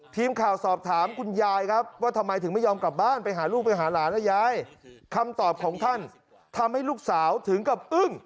ทีมข่าวสอบถามคุณยายครับ